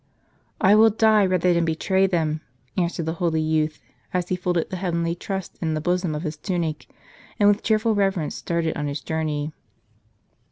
"" I will die rather than betray them," answered the holy youth, as he folded the heavenly trust in the bosom of his tunic, and with cheerful reverence started on his journey.